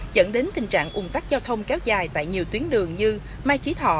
dẫn đến tình trạng ủng tắc giao thông kéo dài tại nhiều tuyến đường như mai chí thọ